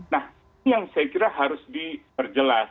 nah ini yang saya kira harus diperjelas